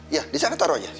iya di sana taruh aja